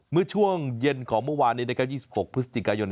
เมื่อช่วงเย็นของเมื่อวานนี้๒๖พฤศจิกายน